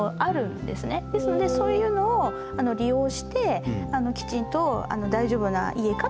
ですのでそういうのを利用してきちんと大丈夫な家かっていうのを。